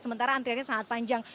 sementara antriannya sangat panjang